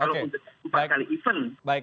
kalau untuk empat kali event